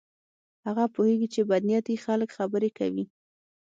هغه پوهیږي چې بد نیتي خلک خبرې کوي.